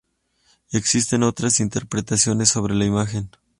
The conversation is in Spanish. Existen otras interpretaciones sobre la imagen.